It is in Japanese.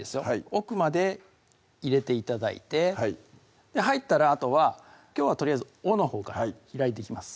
奥まで入れて頂いてはい入ったらあとはきょうはとりあえず尾のほうから開いていきます